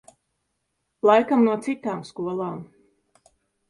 Laikam no citām skolām.